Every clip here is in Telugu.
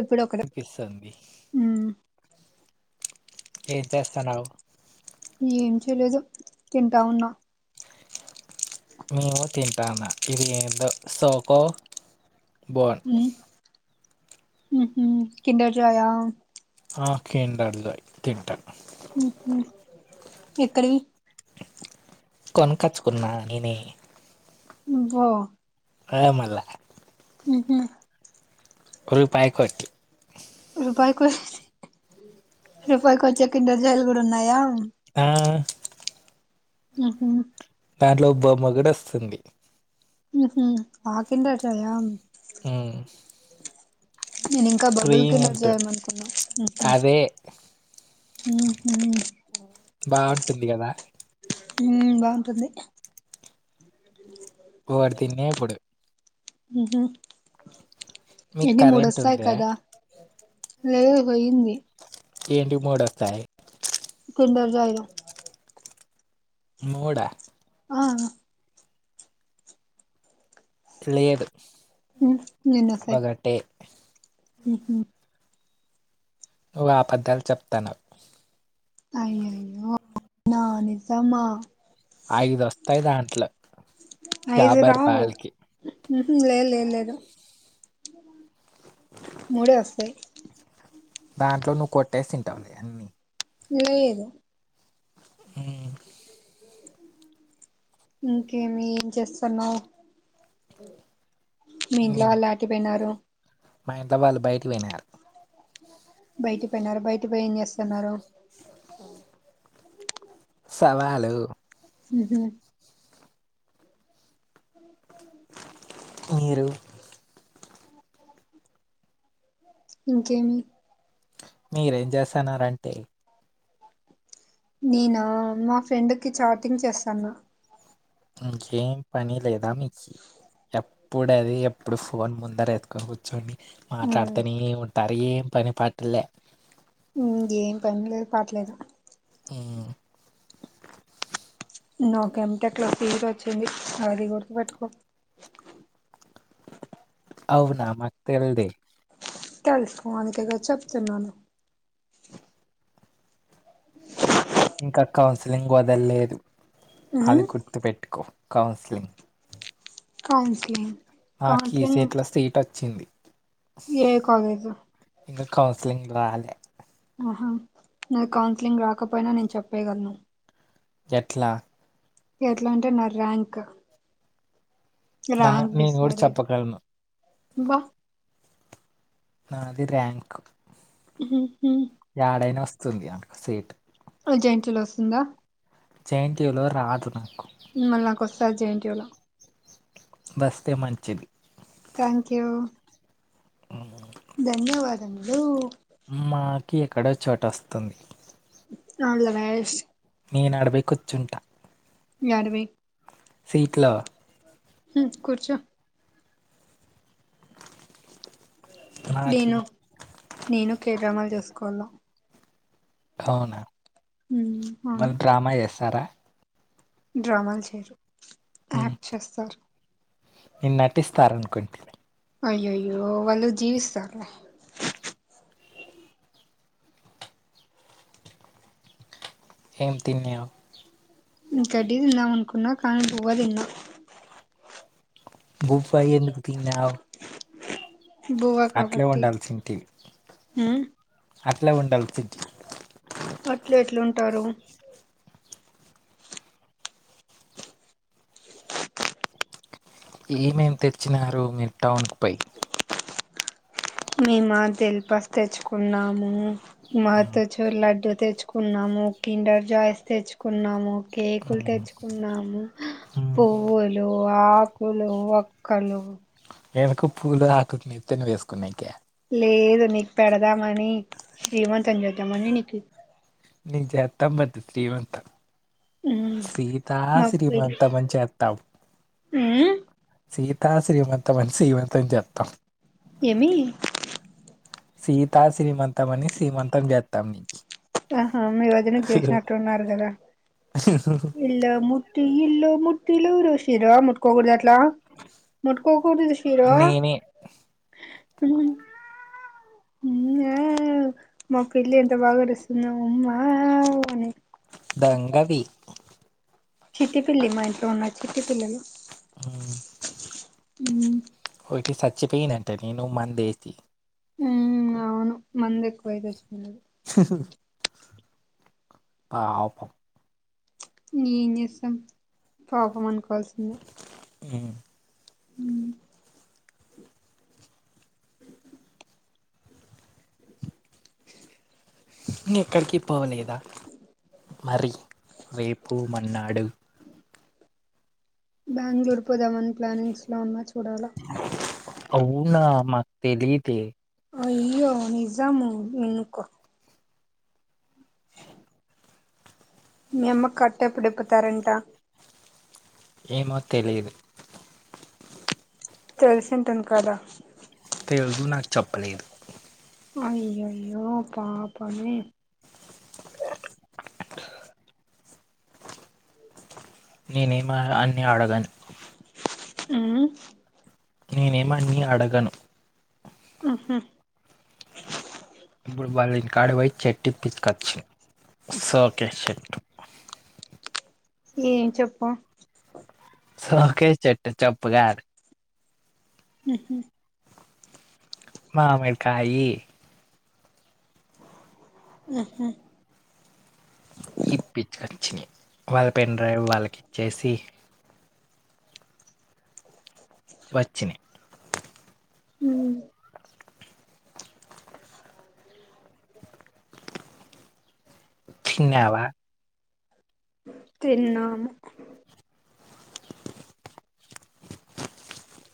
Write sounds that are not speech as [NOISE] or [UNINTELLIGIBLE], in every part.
ఇప్పుడు ఒకడ పిస్తంది ఏం చేస్తాన్నావ్ ఏం చేయలేదు తింటా ఉన్నా మేము తింటాన ఇది ఏందో సోకో బోన్ మ్మ్ మ్మ్ఉహ్మ్ కిండర్ జాయా ఆ కిండర్ జాయ్ తింటనా మ్మ్ఉహ్మ్ ఎక్కడివి కొనక్కచ్చుకున్నా నేనే ఉమ్మ్ ఓ హ మల్ల మ్మ్ఉహ్మ్ రూపాయి కొట్టి రూపాయికి రూపాయికి ఒచ్చే కిండర్ జాయ్లు కూడా ఉన్నాయా ఆ మ్మ్ఉహ్మ్ దాంట్లో బొమ్మ కూడా ఒస్తుంది ఉహు ఆకిండటయా ఆ నేను ఇంకా బబుల్ కిలర్జీ చేయమనుకున్నాను ఏ ఉహూ ఊ బావుంటుంది గదా ఉమ్ బావుంటుంది గోడు తిన్నే ఇప్పుడు ఉహుం మీకు ఎన్ని మూడు కరెంట్ వస్తాయి ఉందే కదా లేదు పోయింది ఏంటి మోడొస్తాయి కిండర్ జాయ్‌లో ముడా ఆఆ లేదు ఉమ్మ్ ఎన్నొస్తాయి ఒకటే మ్మ్ఉహ్మ్ నువ్వు ఆబద్ధాలు చెప్తన్నావ్ అయ్యాయ్యో నా నిజమా ఐదు వస్తాయి దాంట్లో ఐదు యాభై రావు రూపాయలకి ఉహు లేదు లేదు లేదు మూడే వస్తాయి దాంట్లో నువ్వు కొట్టేసి తింటావులే అన్నీ లేద హ్మ్ ఇంకేమి ఏం చేస్తున్నావ్ మీ ఇంట్లో ఉమ్. వాళ్ళు ఆటిపోయినారు మా ఇంట్లో వాళ్ళు బయటకి పోయినారు బయట పోయినారు బయట పోయి ఏం చేస్తున్నారు ఆ సవాలు ఉ మీరు ఇంకేమి మీరు ఏం చేస్తన్నారు అంటే నేనా మా ఫ్రెండ్కి చాటింగ్ చేస్తాన్న ఇంకేం పని లేదా మీక్ ఎప్పుడది ఎప్పుడు ఫోన్ ముందర ఎతుకొని కూర్చోని మాట్లాడితేనే ఉంటారు ఏం పని పాట్లలే ఇంగేం పని లేదు పాట లేదు హ్మ్ నాకు ఎంటెక్ లో ఫీవర్ వచ్చింది అది గుర్తుపెట్టుకో అవునా మాకు తెల్దే తెలుసుకొ అందుకే కదా చెప్తున్నాను ఇంకా కౌన్సిలింగ్ వదలేదు ఉమ్ అది గుర్తుపెట్టుకో కౌన్సిలింగ్ కౌన్సిలింగ్ నాకీ ఇ కౌన్సిలింగ్ సైట్లో సీట్ వచ్చింది ఏ కాలేజు ఇంగా కౌన్సిలింగ్ రాలే ఆహా నా కౌన్సిలింగ్ రాకపోయినా నేను చెప్పేయగలను ఎట్లా ఎట్లా అంటే నా ర్యాంక్ నా ర్యాంక్ నేను కూడా డిసైడేడ్ చెప్పగలను వా నాది ర్యాంక్ యాడైనా వస్తుంది నాకు సీట్ ఓ జేఎన్‌టీయూ ల వస్తుందా జేఎన్టీయూలో రాదు నాకు మళ్ళా నాకు వస్తది జేఎన్‌టీయూలో వస్తే మంచిది. థ్యాంక్ యూ ధన్యవాదములు మాకి ఎక్కడో చోటు వస్తుంది అల్ ది బెస్ట్ నేను ఆడ పోయి కూర్చుంటా యాడ పోయ్ సీట్లో హ్మ్ కూర్చో నాకి నేను నేను కేడ్రామాలు చేసుకోవల్ల అవునా అవును వాళ్ళు డ్రామా చేస్తారా డ్రామాలు చేయరు ఉమ్, యాక్ట్ చేస్తారు నేను నటిస్తారు అనుకుంటీ అయ్యాయ్యో వాళ్ళు జీవిస్తారు ఏం తిన్నావ్ గడ్డీ తిందాం అనుకున్నా కానీ బువ్వ తిన్నా బువ్వ ఎందుకు తిన్నావ్ బువ్వ కాబట్టి ఉండాల్సింటివి హ్మ్ అట్లే ఉండాల్సింటివి అట్లే ఇట్లా ఉంటారు ఏమేం తెచ్చినారు మీరు టౌన్ కి పోయి మేమ దిల్పస్ తెచ్చుకున్నాము మత్ తెచూర్ లడ్డూ తెచ్చుకున్నాము కిండర్ జాయ్స్ తెచ్చుకున్నాము కేకులు ఉమ్, తెచ్చుకున్నాము. ఉమ్, పువ్వులు, ఆకులు, ఒక్కలు. దేనికో పూలు ఆకుకి నెత్తిన వేసుకునేకా? లేదు నీకు పెడదామని శ్రీమంతం చేద్దామని నీకి నీకు చెత్తాం పట్టు స్రీమంతం. సీతా మా పిన్ని శ్రీమంతం అని చెత్తాం. ఉమ్ సీతా శ్రీమంతమని సీమంతం చేత్తం. ఏమి సీతా శ్రీమంతం అని సీమంతం చేత్తం నీకి ఆహా మీ వదనకి చేసినట్టున్నారు కదా ఇల్ల ము ట్టి ఇల్లు ముట్టిలూరు శిరో ముట్టుకోకూడదట్లా ముట్టుకోకూడదు శిరో. నేనే మ. మ్ మ్యా మా పిల్లి ఎంత బాగా అరుస్తుందో ఉమ్మ దొంగది చిట్టి పిల్లి మా ఇంట్లో ఉన్నది చిట్టి పిల్లలు ఉమ్, మ్ ఒకటి సచ్చిపోయినంటనే నువ్వు మందేసి. మ్ అవును మందు ఎక్కువై సచ్చిపోయింది అది. పాపం ఏం చేస్తాం పాపం అనుకోవాల్సిందే. మ్ మ్ ఎక్కడికి పోలేదా మరి రేపు, మన్నాడు బ్యాంగళూర్ పోదామని ప్లానింగ్స్ లో ఉన్నా చూడాల. అవునా మాక్ తెలీదే అయ్యో నిజము వినుకో. మ అమ్మకి కట్టెప్పుడు ఇప్పుతారంట? ఏమో తెలీదు. తెలిసింటుంది కదా తెల్దు నాకు చెప్పలేదు. అయ్యయ్యో పాపమే నేనేమ అన్ని అడగను. మ్ నేనేమి అన్ని అడగను. మ్హు ఇప్పుడు వాళ్ళింటికాడకి పోయి చెట్టు ఇప్పించుకొచ్చ సోకేస్ చెట్టు. ఏం చెప్పు సోకేస్ చెట్టు చెప్పు కాదు. మ్ హు మామిడికాయి మ్ హు ఇప్పిచుకొచ్చినయి వాళ్ళ పెన్ డ్రైవ్ వాళ్ళకి ఇచ్చేసి వచ్చిన ఉం తిన్నావా తిన్నాము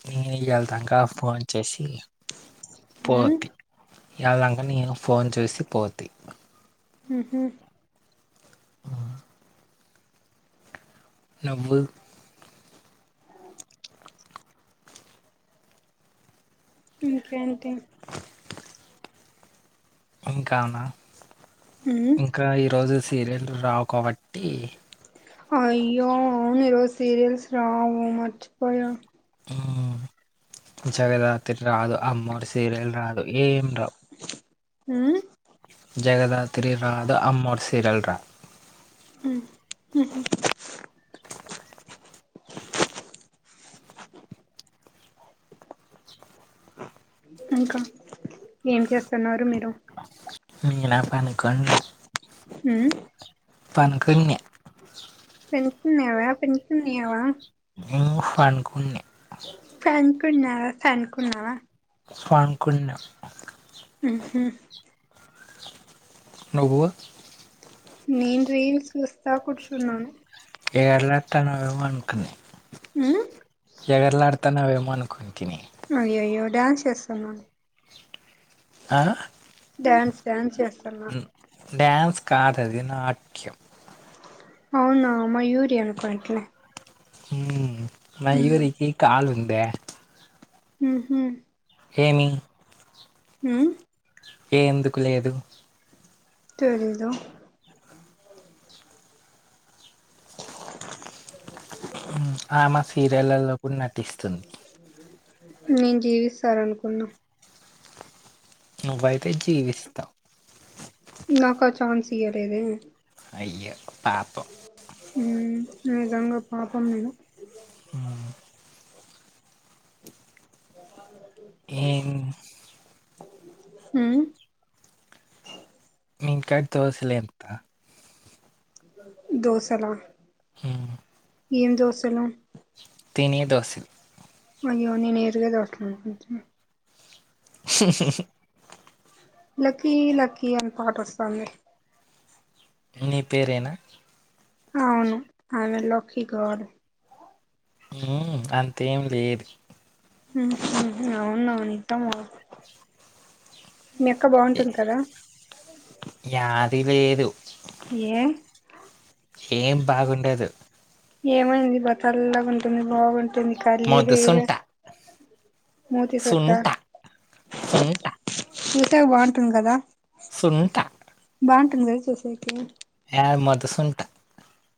నేను వెళ్తాక ఫోన్ చేసి మ్మ్ పోద్ది [UNINTELLIGIBLE] వెళ్ళక న ఫోన్ చేూసి పోతాయి [UNINTELLIGIBLE] హు హమ్ నువ్వు ఇంకేంటి ఇంకానా ఉం ఇంకా ఈరోజు సీరియల్ రావు కాబట్టి అయ్యో అవును ఈ రోజు సీరియల్స్ రావు మర్చిపోయా ఉం జగరాత్రి రాదు అమ్మోరు సీరియల్ రాదు ఏం రావు మ్మ్ జగదాత్రి రాదు అమ్మోర్ సీరియల్ రాదు ఉం హూ హమ్ ఇంకా ఏం చేస్తున్నారు మీరు మీ నా పనుకుం [UNINTELLIGIBLE] ఉం పంక్య [UNINTELLIGIBLE] పెంచతున్నావా పెంచతున్నాయావా [UNINTELLIGIBLE] ఇే ఫన్కుని [UNINTELLIGIBLE] ఫంకున్నావా ఫంకు ఉన్నావా [UNINTELLIGIBLE] ఫణకుంన్నా [UNINTELLIGIBLE] ఉ హమ్ నువ్వు నేను రీల్స్ చూస్తా కూర్చున్నాను ఎగరలాడుతానువేమ అనుకున్నా మ్మ్ ఎగరలాడుతానువేమ అనుకుని [UNINTELLIGIBLE] తని [UNINTELLIGIBLE] అయ్యో అయ్యో డ్యాన్స్ చేస్తున్నా ఆ డ్యాన్స్ డ్యాన్స్ చేస్తన్నా డ్యాన్స్ కాదది నాట్యం అవునా మయూరి అనుకుంట్లే ఉం మయూరికి కాలు ఉందే ఉ హమ్ ఏమి ఉమ్ ఎందుకు లేదు తెలిదు ఆమె సీరియల్లల్లో కూడా నటిస్తుంది నేను జీవిస్తారనుకున్నా నువ్వైతే జీవిస్తావ్ నాకు ఆ ఛాన్స్ ఇయలేేదే అయ్యో పాపం ఉ నిజంగా పాపం మీరు ఊ జాపాకు రెడ్డి ఏం ఊ మీ ఇంట్కాడ దోసలేంత దోసలా మ్మ్. ఏం దోసలు తినే దోశలు అయ్యో నేనేరుగా దోసెలు అనుకుంటున్న స్హ్ హుహుహు లక్కీ లక్కీ అన్ పాటోస్తంది నీ పేరేనా అవును ఆమె లోక్కి గర్ల్ ఊ ఉ అంతేం లేద్ ఉహు అవున నిద్దమ ఏ కదా యాది లేేదు ఏ ఏం బాగుండదు ఏమైంది బా తెల్లగుంటుంది బాగుంటుంది కర్లీ హెయిర్ మొదుసుంట మూతి సొట్ట సుంట సుంట చూసేకి బాగుంటుంది కదా సుంట బాగుంటుంది కదా చూసేకి ఏ మొద్దుసుంట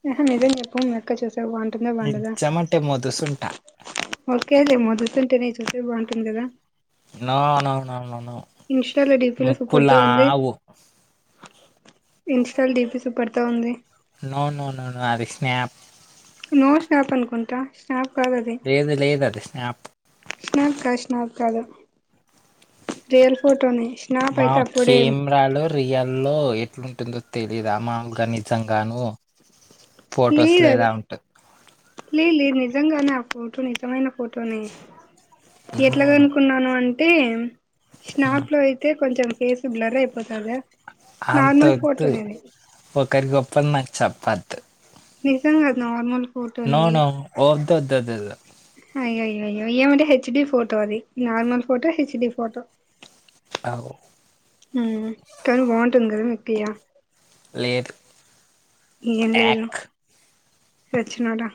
ఎహే నిజం చెప్పు మీ అక్క చూసేకి బాగుంటుందా బాగుండదా నిజమంటే మొదుసుంట ఓకే లే మొద్దుసుంటనీ చూస్తే బాగుంటుంది కదా no now now now now ఇన్స్టాలో డీపీలో సూపర్తో ముక్కులావు ఇన్స్టాల్ డిపిస్ పెడతా ఉంది నో నో నో నో అది స్నాప్ నో స్నాప్ అనుకుంటా స్నాప్ కాదది లేదు లేదు అది స్నాప్ స్నాప్ కాద్ స్నాప్ కాదు రియల్ ఫోటోనే స్నాప్ మా అయితే అప్పుడేం కెమ్రాలో రీయాల్లో ఎట్లుంటుందో తెలియదా అ మామల్గా నిజంగాను ఫొటోస్లో తేలిదది ఎలా ఉంటుంది లేద్ లేదు నిజంగానే ఆ ఫోటో నిజమైన ఫోటోనే నో నో ఎట్లగనుక్కున్నాను అంటే స్నాప్ లో అయితే కొంచెం ఫేస్ బ్లర్ అయిపోతదా అంత నార్మల్ వద్దు ఫోటోనే అది ఒకరి గొప్పల్ నాక్ చెప్పద్ నిజంగా అద్ నార్మల్ నో ఫోటోనే నో వద్దు వద్దు వద్దు వద్దు. అయ్యయ్యయ్యో ఏమంటే హెచ్ డి ఫోటో అది normal photo H D photo ఔ ఉమ్ తను బాగుంటుంది కదా నిత్య లేదు ఏం లేదు సచ్చినోడా